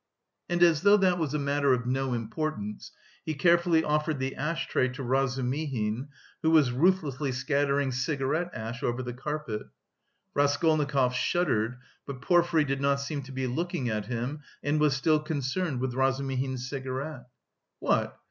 And as though that was a matter of no importance, he carefully offered the ash tray to Razumihin, who was ruthlessly scattering cigarette ash over the carpet. Raskolnikov shuddered, but Porfiry did not seem to be looking at him, and was still concerned with Razumihin's cigarette. "What?